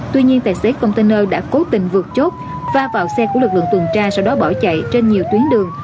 tuy nhiên tài xế container đã cố tình vượt chốt và vào xe của lực lượng tuần tra sau đó bỏ chạy trên nhiều tuyến đường